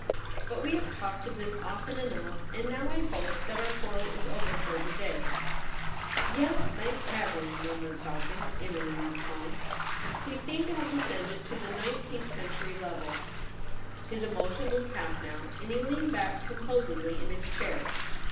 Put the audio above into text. But we have talked of this often enough ; and now I hope that our quarrel is over for to day/ * Yes, thank Heaven !' murmured Falcon, in a relieved tone. He seemed to have descended to the nine teenth century level. His emotion was past now ; and he leaned back composedly in his chair.